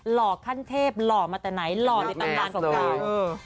หล่อขั้นเทพหล่อมาติ้ไหนหล่อมาในต่างดาวน์ของเรา